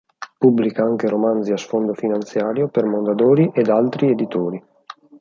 Pubblica anche romanzi a sfondo finanziario per Mondadori ed altri editori.